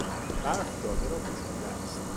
برف جاده را پوشانده است.